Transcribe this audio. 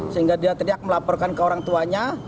sehingga dia teriak melaporkan ke orang tuanya